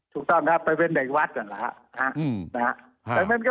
ถูกต้องครับไปเว้นเด็กวัดนะครับ